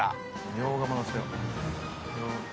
ミョウガも載せよう。